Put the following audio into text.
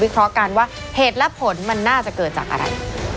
เคราะห์กันว่าเหตุและผลมันน่าจะเกิดจากอะไร